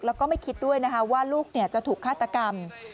แล้วก็ไม่คิดด้วยนะคะว่าลูกจะถูกฆาตกรรม